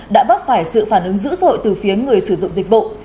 đã vấp phải sự phản ứng dữ dội từ phía người sử dụng dịch vụ